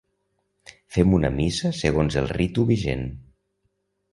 Fem una missa segons el ritu vigent.